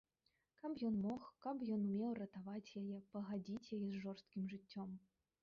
Каб ён мог, каб ён умеў ратаваць яе, пагадзіць яе з жорсткім жыццём!